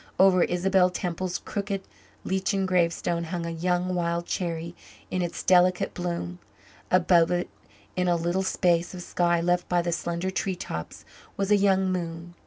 Over Isabel Temple's crooked, lichened gravestone hung a young wild cherry in its delicate bloom. Above it, in a little space of sky left by the slender tree tops, was a young moon.